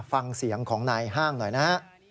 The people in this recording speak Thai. ฟังเสียงของนายห้างหน่อยนะฮะ